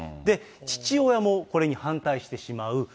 父親もこれに反対してしまう。